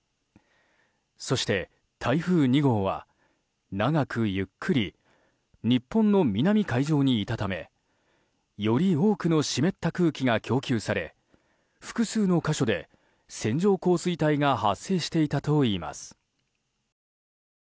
そして台風２号は長くゆっくり日本の南海上にいたためより多くの湿った空気が供給され複数の箇所で線状降水帯が発生していたといいます。